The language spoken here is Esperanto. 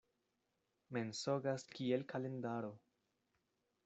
Mensogas kiel kalendaro.